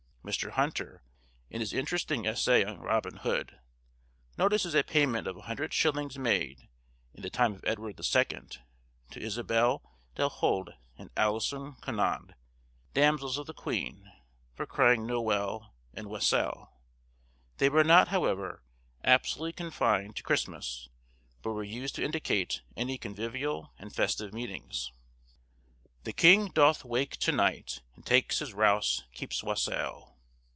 Mr. Hunter, in his interesting essay on Robin Hood, notices a payment of a hundred shillings made, in the time of Edward the Second, to Isabelle del Holde and Alisoun Conand, damsels of the queen, for crying Noël and Wessel. They were not, however, absolutely confined to Christmas, but were used to indicate any convivial and festive meetings:— "The king doth wake to night, and takes his rouse, Keeps wassel."